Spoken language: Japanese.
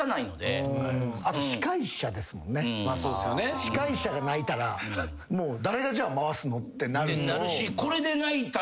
司会者が泣いたら誰がじゃあ回すのってなる。